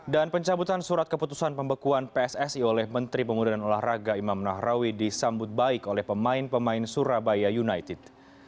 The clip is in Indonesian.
dan pencabutan surat keputusan pembekuan pssi oleh menteri pemudaran olahraga imam nahrawi disambut baik oleh pemain pemain surabaya united